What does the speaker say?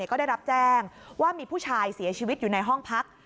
ก็ได้รับแจ้งว่ามีผู้ชายเสียชีวิตอยู่ในห้องพัก